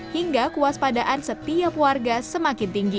hingga kuas padaan setiap warga semakin tinggi